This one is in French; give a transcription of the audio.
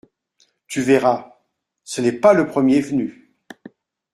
Tu verras,… ce n’est pas le premier venu.